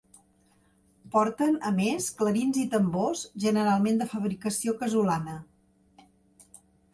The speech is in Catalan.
Porten, a més, clarins i tambors, generalment de fabricació casolana.